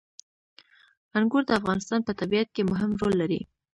انګور د افغانستان په طبیعت کې مهم رول لري.